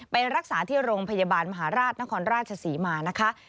ไปรักษาที่โรงพยาบาลมหาราชนครราชศรีมานะคะ